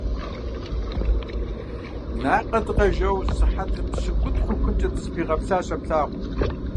Накъэдыкъэ жоу сыхьэтыр пщыкӏут хъухункӏэ дызэпигъэплъащ а плъагъум.